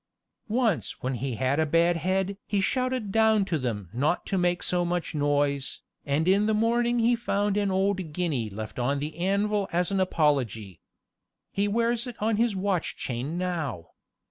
Once when he had a bad head he shouted down to them not to make so much noise, and in the morning he found an old guinea left on the anvil as an apology. He wears it on his watch chain now.